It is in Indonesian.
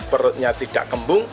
perutnya tidak kembung